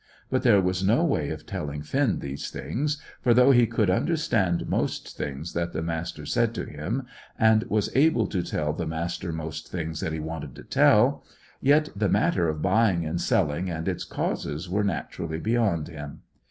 But there was no way of telling Finn these things, for though he could understand most things that the Master said to him, and was able to tell the Master most things that he wanted to tell; yet the matter of buying and selling and its causes were naturally beyond him.